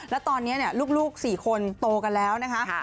แล้วตอนนี้ลูก๔คนโตกันแล้วนะคะ